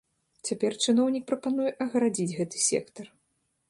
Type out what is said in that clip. Цяпер чыноўнік прапануе агарадзіць гэты сектар.